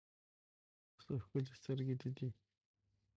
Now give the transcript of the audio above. څه ښکلي سترګې دې دي